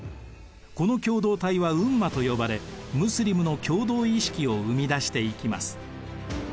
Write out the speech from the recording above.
この共同体はウンマと呼ばれムスリムの共同意識を生み出していきます。